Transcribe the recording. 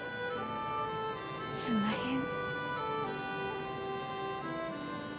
すんまへん。